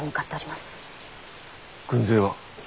軍勢は？